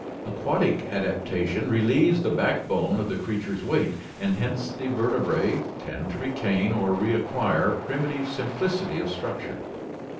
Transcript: Aquatic adaptation relieves the backbone of the creature's weight, and hence the vertebrae tend to retain or re acquire primitive sim plicity of structure.